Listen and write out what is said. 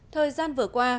thời gian vừa qua